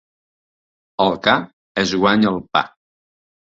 El ca es guanya el pa.